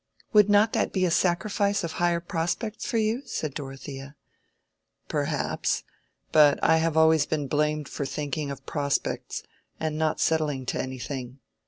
"Would not that be a sacrifice of higher prospects for you?" said Dorothea. "Perhaps; but I have always been blamed for thinking of prospects, and not settling to anything.